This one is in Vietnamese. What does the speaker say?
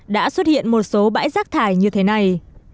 đã xuất hiện một số bãi rác thải như thế này